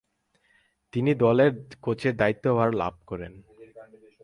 তিনি দলের কোচের দায়িত্বভার লাভ করেন।